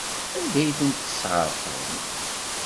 Anda ay ten-tesɣerqem?